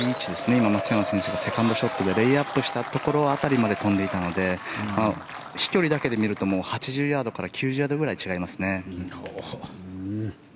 今、松山選手がセカンドショットでレイアップしたところ辺りまで飛んでいたので飛距離だけでみると８０ヤードから９０ヤードぐらい違いますね。